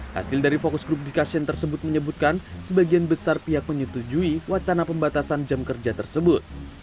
hasil dari fokus grup diskusi tersebut menyebutkan sebagian besar pihak menyetujui wacana pembatasan jam kerja tersebut